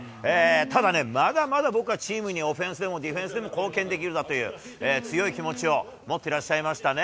ただね、まだまだ僕はチームにオフェンスでも、ディフェンスでも貢献できるなという、強い気持ちを持ってらっしゃいましたね。